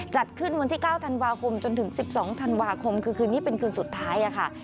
จัดขึ้นวันที่๙ธันวาคมจนถึง๑๒ธันวาคมคือคืนนี้เป็นคืนสุดท้ายค่ะ